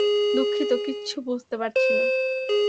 দুঃখিত, কিচ্ছু বুঝতে পারছি না।